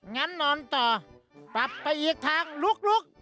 งั้นนอนต่อปรับไปอีกทางลุก